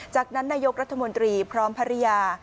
จากนั้นนายกรัฐมนตรีพร้อมภรรยา